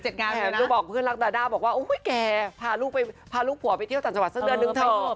เธอบอกเพื่อนรักดาด้าบอกว่าแกพาลูกไปพาลูกผัวไปเที่ยวต่างจังหวัดสักเดือนนึงเถอะ